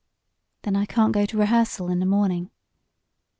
"Then I can't go to rehearsal in the morning?"